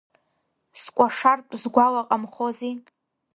Скәашартә сгәалаҟамхози!